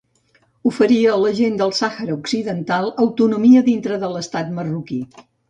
Oferia a la gent del Sahara Occidental autonomia dintre de l'estat marroquí.